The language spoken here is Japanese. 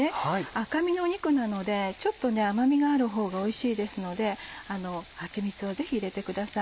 赤身の肉なのでちょっと甘みがあるほうがおいしいですのではちみつをぜひ入れてください。